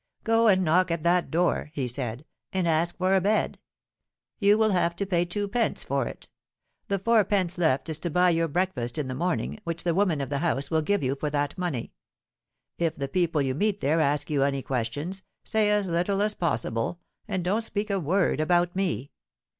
'Go and knock at that door,' he said, 'and ask for a bed. You will have to pay two pence for it. The fourpence left is to buy your breakfast in the morning, which the woman of the house will give you for that money. If the people you meet there ask you any questions, say as little as possible, and don't speak a word about me.